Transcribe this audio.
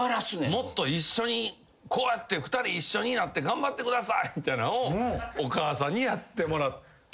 もっと一緒にこうやって２人一緒になって頑張ってくださいみたいなんをお母さんにやってもらって。